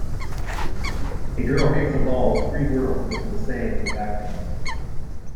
A girl kicks a ball with three girls doing the same in the background.